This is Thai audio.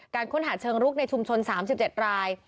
การคุณหาเชิงลูกในชุมชน๓๗ราย